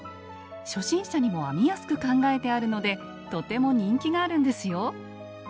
初心者にも編みやすく考えてあるのでとても人気があるんですよ。